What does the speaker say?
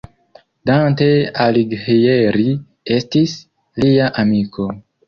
Dante Alighieri estis lia amiko.